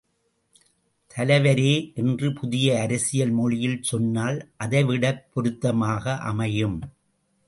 தலைவரே என்று புதிய அரசியல் மொழியில் சொன்னால் அதைவிடப் பொருத்தமாக அமையும்.